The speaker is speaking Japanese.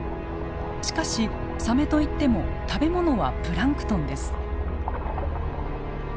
しかしサメといっても食べ物はプランクトンです。